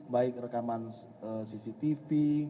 baik rekaman cctv